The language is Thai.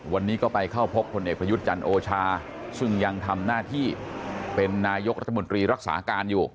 วันนี้ก็ไปเข้าพบพลเอกประยุทธ์จันทร์โอชาซึ่งยังทำหน้าที่เป็นนายกรัฐมนตรีรักษาการอยู่